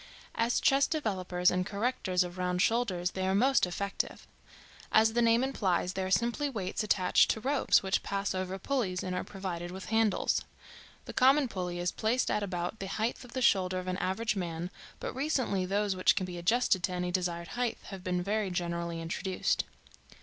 As chest developers and correctors of round shoulders they are most effective. As the name implies, they are simply weights attached to ropes, which pass over pulleys, and are provided with handles. The common pulley is placed at about the height of the shoulder of an average man, but recently those which can be adjusted to any desired height have been very generally introduced.